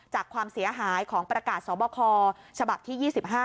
ความเสียหายของประกาศสบคฉบับที่๒๕